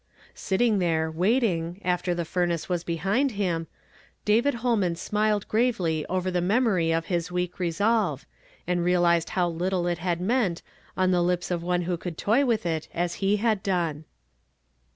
Sitting there, waiting, after the furnace was behind him, David llolmau smiled gravely over the memory of his Aveak resolve, and realized how little it had meant on the lips of one who could t(^y with it as he had done.